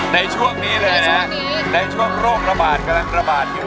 ในช่วงนี้เลยนะในช่วงโรคระบาดกำลังระบาดอยู่